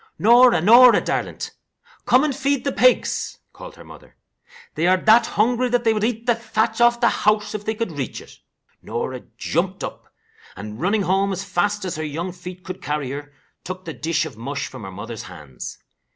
"Norah! Norah, darlint! Come and feed the pigs," called her mother. "They are that hungry they would eat the thatch off the house if they could reach it." Norah jumped up, and running home as fast as her young feet could carry her, took the dish of mush from her mother's hands.